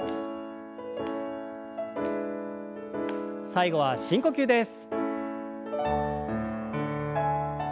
最後は深呼吸です。